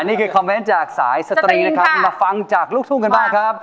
นี่คือคอมเมนต์จากสายสตรีนะครับมาฟังจากลูกทุ่งกันบ้างครับ